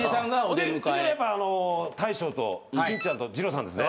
でやっぱ大将と欽ちゃんと二郎さんですね。